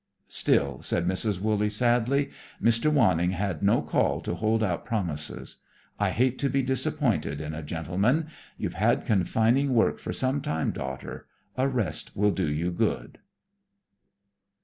"Still," said Mrs. Wooley sadly, "Mr. Wanning had no call to hold out promises. I hate to be disappointed in a gentleman. You've had confining work for some time, daughter; a rest will do you good."